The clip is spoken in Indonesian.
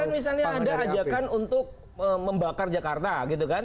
kemarin misalnya anda ajakan untuk membakar jakarta gitu kan